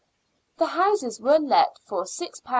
The houses were let for £6 13s.